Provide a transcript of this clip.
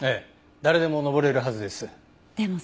誰でも登れるはずです。